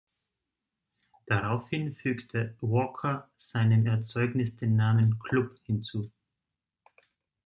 Daraufhin fügte Walker seinem Erzeugnis den Namen „Club“ hinzu.